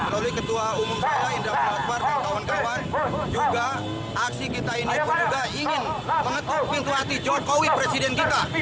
melalui ketua umum kepala indra pratbar dan kawan kawan juga aksi kita ini berjuga ingin mengetuk pintu hati jokowi presiden kita